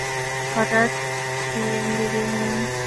হঠাৎ সেনদিদির ছেলেকে কোলে করিয়া কোথা হইতে কুন্দ আসিয়া দাড়াইল।